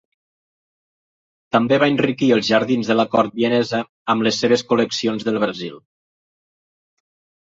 També va enriquir els jardins de la cort vienesa amb les seves col·leccions del Brasil.